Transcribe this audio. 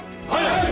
はい！